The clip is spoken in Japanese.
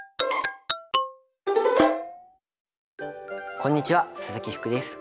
こんにちは鈴木福です。